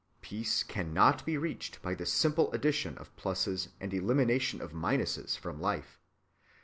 Peace cannot be reached by the simple addition of pluses and elimination of minuses from life.